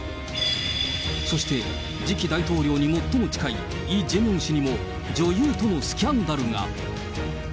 そして、次期大統領に最も近いイ・ジェミョン氏にも女優とのスキャンダルが。